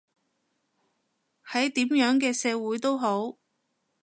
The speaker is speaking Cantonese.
喺點樣嘅社會都好